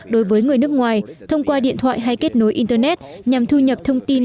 đối với người nước ngoài thông qua điện thoại hay kết nối internet nhằm thu nhập thông tin